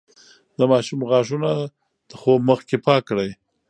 د ماشوم غاښونه د خوب مخکې پاک کړئ.